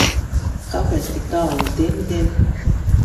Kāpēc tik tālu uz dienvidiem?